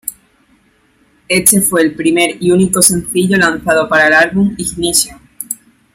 Este fue el primer y único sencillo lanzado para el álbum Ignition.